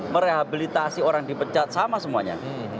merehabilitasi orang dipecat sama semuanya